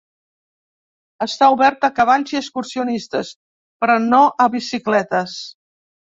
Està obert a cavalls i excursionistes, però no a bicicletes.